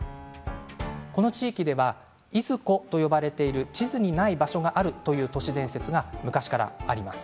この地域ではイズコと呼ばれている地図にない場所があるという都市伝説が昔からあります。